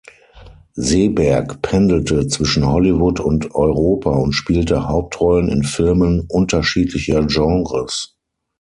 Seberg pendelte zwischen Hollywood und Europa und spielte Hauptrollen in Filmen unterschiedlicher Genres.